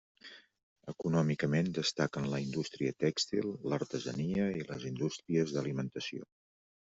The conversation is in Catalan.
Econòmicament destaquen la indústria tèxtil, l'artesania i les indústries d'alimentació.